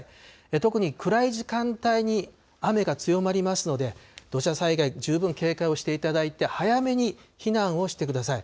特に暗い時間帯に雨が強まりますので、土砂災害十分警戒していただいて、早めに避難をしてください。